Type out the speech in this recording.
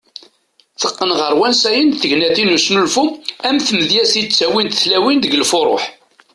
Teqqen ɣer wansayen d tegnatin n usnulfu ,am tmedyazt i d -ttawint tlawin deg lfuruh.